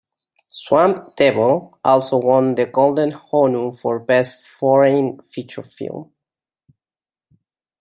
Swamp Devil also won the Golden Honu for Best Foreign feature film.